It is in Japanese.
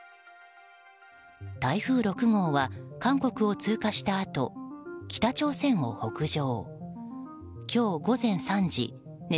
台風６号は韓国を通過したあと北朝鮮を北上。